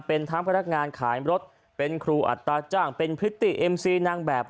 เป็นทั้งพนักงานขายรถเป็นครูอัตราจ้างเป็นพริตตี้เอ็มซีนางแบบ